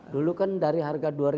dulu kan dari harga dua ribu